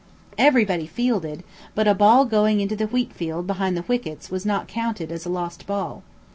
Everybody fielded, but a ball going into the wheat field behind the wickets was not counted as a lost ball.